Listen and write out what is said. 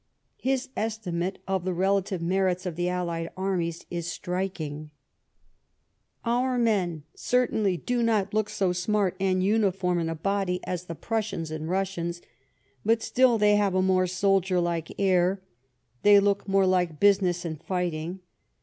His estimate of the relative merits of the allied armies is striking :— Our men certainly do not look so smart and uniform in a body as the Prussians and Russians, but still they have a more soldier Iikc «ir ; they look more like business and fighting.